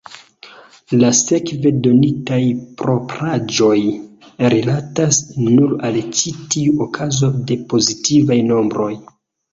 La sekve donitaj propraĵoj rilatas nur al ĉi tiu okazo de pozitivaj nombroj.